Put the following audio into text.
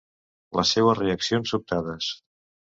Les seues reaccions sobtades.